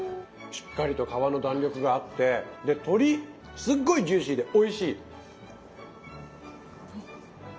しっかりと皮の弾力があってで鶏すっごいジューシーでおいしい。